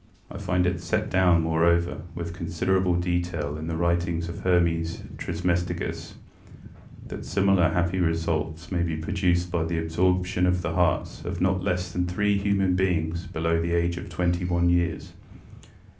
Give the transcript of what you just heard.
I find it set down, moreover, with considerable detail in the writings of Hermes Trismegistus, that similar happy results may be produced by the absorption of the hearts of not less than three human beings below the age of twenty one years.